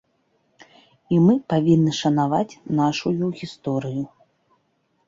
І мы павінны шанаваць нашую гісторыю.